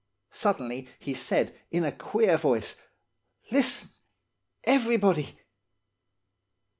Suddenly he said, in a queer voice, 'Listen, everybody!